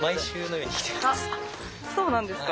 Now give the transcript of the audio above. そうなんですか？